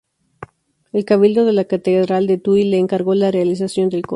El cabildo de la Catedral de Tui le encargó la realización del coro.